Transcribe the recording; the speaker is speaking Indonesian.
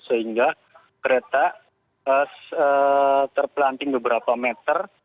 sehingga kereta terpelanting beberapa meter